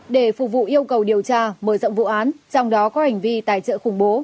để phục vụ yêu cầu điều tra mở rộng vụ án trong đó có hành vi tài trợ khủng bố